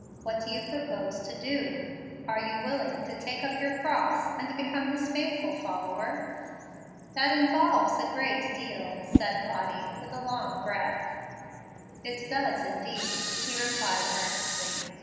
What do you propose to DO? Are you willing to take up your cross and become His faithful follower?" "That involves a great deal," said Lottie, with a long breath. "It does indeed," he replied earnestly.